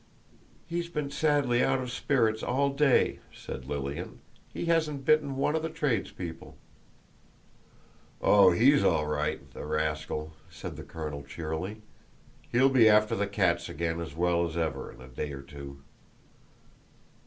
"He's been sadly out of spirits all day," said Lilian; "he hasn't bitten one of the tradespeople." "Oh, he's all right, the rascal!" said the colonel, cheerily. "He'll be after the cats again as well as ever in a day or two."